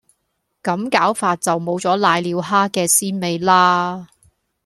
咁搞法就冇咗攋尿蝦嘅鮮味喇